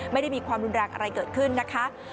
ไม่ได้มีความรุนแรงอะไรเกิดขึ้นนะคะ